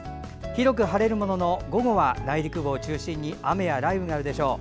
広く晴れるものの午後は内陸部を中心に雨や雷雨があるでしょう。